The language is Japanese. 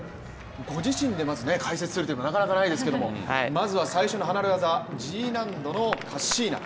ご自身でまず解説するというのはなかなかないですけどまずは最初の離れ業、Ｇ難度のカッシーナ。